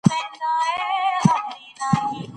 کیڼ لاسي کسان د حساسیت او نفس تنګۍ په وړاندې ډېر حساس دي.